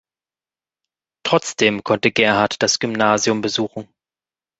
Trotzdem konnte Gerhard das Gymnasium besuchen.